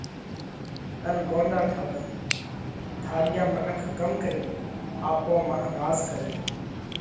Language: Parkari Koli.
ان ڳونڏا ٺاوئه؟ ڌاريا منک ڪم ڪرينَ آپون مانه راز ڪرئه؟